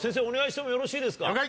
お願いしてもよろしいですか？